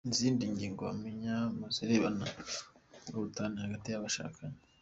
Izindi ngingo wamenya mu zirebana n’ubutane hagati y’abashakanye :.